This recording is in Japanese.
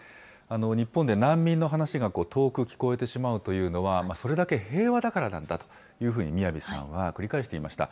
日本で難民の話が遠く聞こえてしまうというのは、それだけ平和だからなんだと、ＭＩＹＡＶＩさんは繰り返していました。